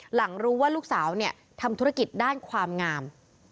หลังรู้ว่าลูกสาวทำธุรกิจด้านความงาม